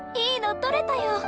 いいの撮れたよ。